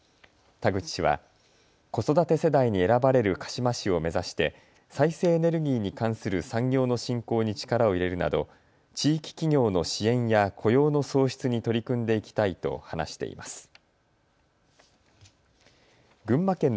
田口氏は子育て世代に選ばれる鹿嶋市を目指して再生エネルギーに関する産業の振興に力を入れるなど地域企業の支援や雇用の創出に取り組んでいきたいと話しています。